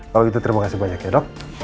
kalau gitu terima kasih banyak ya dok